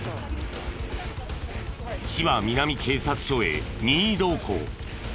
千葉南警察署へ任意同行。